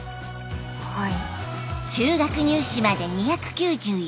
はい。